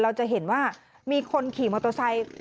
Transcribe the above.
เราจะเห็นว่ามีคนขี่มอเตอร์ไซค์